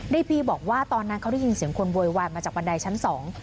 พีบอกว่าตอนนั้นเขาได้ยินเสียงคนโวยวายมาจากบันไดชั้นสอง